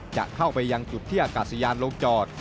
จะเข้าไปยังจุดที่อากาศยานลงจอด